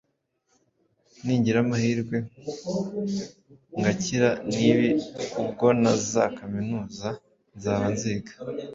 Ningira amahirwe ngakira n’ibi, ubwo na za Kaminuza nzaba nziga!